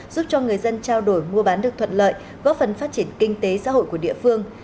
giúp cho người dân trao đổi mua bán được thuận lợi góp phần phát triển kinh tế xã hội của địa phương